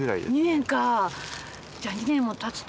２年か。